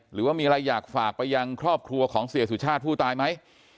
หรือว่ามีอะไรอยากฝากไปยังครอบครัวของเสียสุชาติผู้ตายไหม